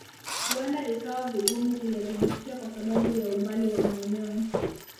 Huenda ikawa vigumu kuyathibitisha kwa sababu ya umbali wa maeneo